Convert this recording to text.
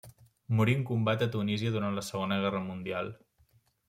Morí en combat a Tunísia durant la Segona Guerra Mundial.